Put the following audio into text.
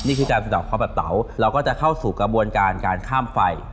นี่คือการสะดอกเขาแบบเตาเราก็จะเข้าสู่กระบวนการการข้ามไฟ